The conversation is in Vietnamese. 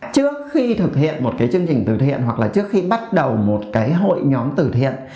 trước khi thực hiện một cái chương trình từ thiện hoặc là trước khi bắt đầu một cái hội nhóm tử thiện